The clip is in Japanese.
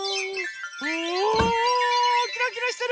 おキラキラしてる！